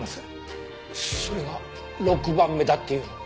それが６番目だっていうの？